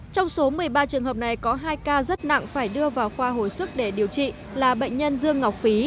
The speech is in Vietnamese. trong số một mươi ba trường hợp này có hai ca rất nặng phải đưa vào khoa hồi sức để điều trị là bệnh nhân dương ngọc phí